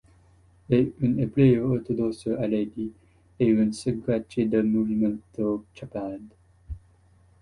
È un ebreo ortodosso haredi e un seguace del movimento Chabad.